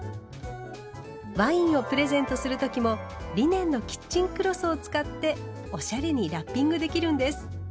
ワインをプレゼントする時もリネンのキッチンクロスを使っておしゃれにラッピングできるんです。